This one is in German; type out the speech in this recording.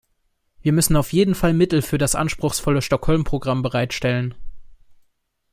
Wir müssen auf jeden Fall Mittel für das anspruchsvolle Stockholm-Programm bereitstellen.